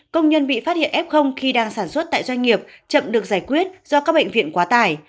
công nhân bị phát hiện f khi đang sản xuất tại doanh nghiệp chậm được giải quyết do các bệnh viện quá tải